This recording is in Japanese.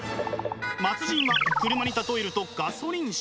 末人は車に例えるとガソリン車。